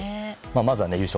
まずは優勝